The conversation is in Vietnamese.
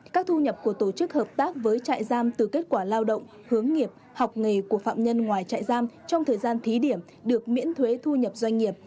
các thu nhập của tổ chức hợp tác với trại giam từ kết quả lao động hướng nghiệp học nghề của phạm nhân ngoài trại giam trong thời gian thí điểm được miễn thuế thu nhập doanh nghiệp